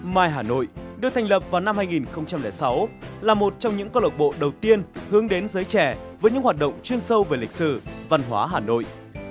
my hà nội được thành lập vào năm hai nghìn sáu là một trong những cơ lộc bộ đầu tiên hướng đến giới trẻ với những hoạt động chuyên sâu về lịch sử văn hóa hà nội